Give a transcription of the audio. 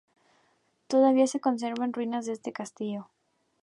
Todavía se conservan ruinas de este castillo.